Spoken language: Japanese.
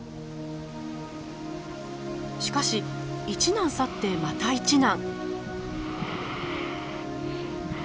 しかし一難去ってまた一難。